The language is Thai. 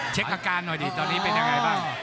เช็คอาการหน่อยดิตอนนี้เป็นยังไงบ้าง